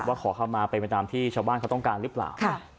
ขอเข้ามาเป็นไปตามที่ชาวบ้านเขาต้องการหรือเปล่า